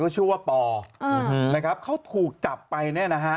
เขาชื่อว่าปอเขาถูกจับไปนะ